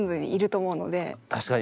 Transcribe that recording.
確かに。